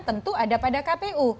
tentu ada pada kpu